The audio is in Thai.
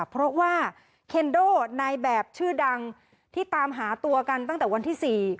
เพราะว่าเคนโดนายแบบชื่อดังที่ตามหาตัวกันตั้งแต่วันที่๔